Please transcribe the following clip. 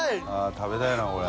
食べたいなこれ。